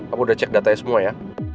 aku udah cek datanya semua ya